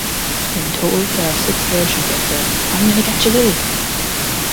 In total there are six versions of the I'm Gonna Getcha Good!